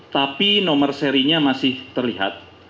tapi nomor serinya masih terlihat